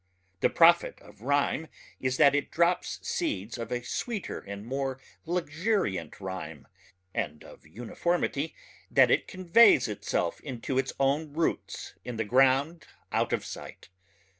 The profit of rhyme is that it drops seeds of a sweeter and more luxuriant rhyme, and of uniformity that it conveys itself into its own roots in the ground out of sight.